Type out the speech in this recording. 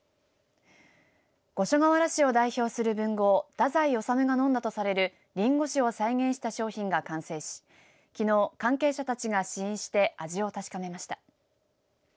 五所川原市を代表する文豪太宰治が飲んだとされるりんご酒を再現した商品が完成しきのう、関係者たちが試飲して味を確かめました。